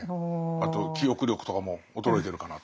あと記憶力とかも衰えてるかなと。